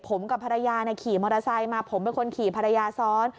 ผมกับภรรยาขี่มอเตอร์ไซค์มาผมเป็นคนขี่ภรรยาซ้อน